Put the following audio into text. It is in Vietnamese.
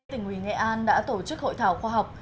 tỉnh ủy nghệ an đã tổ chức hội thảo khoa học